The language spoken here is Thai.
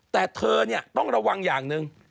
แต่เธอเนี่ยต้องระวังอย่างหนึ่ง